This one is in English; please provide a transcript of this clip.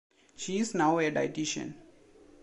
She is now a dietician.